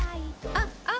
「あっ！」